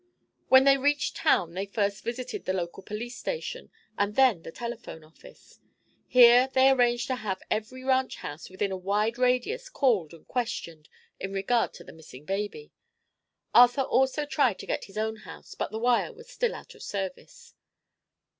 When they reached town they first visited the local police station and then the telephone office. Here they arranged to have every ranch house within a wide radius called and questioned in regard to the missing baby. Arthur also tried to get his own house, but the wire was still out of service.